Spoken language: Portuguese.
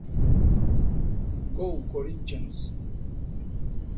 Go Corinthians!!